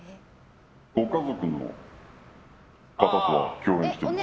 ご家族の方とは共演してます。